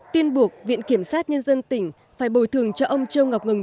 tuyên buộc viện kiểm sát nhân dân tỉnh phải bồi thường cho ông châu ngọc ngừng